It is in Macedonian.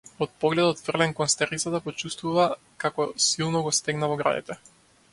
Од погледот фрлен кон старицата, почувствува како силно го стегна во градите.